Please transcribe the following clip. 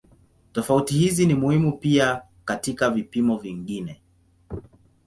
Tofauti hizi ni muhimu pia katika vipimo vingine.